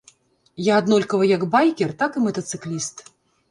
Я аднолькава як байкер, так і матацыкліст.